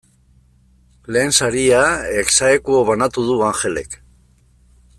Lehen saria ex aequo banatu du Angelek.